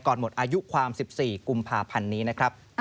หมดอายุความ๑๔กุมภาพันธ์นี้นะครับ